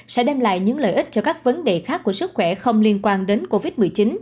sẽ đem lại những lợi ích cho các vấn đề khác của sức khỏe không liên quan đến covid một mươi chín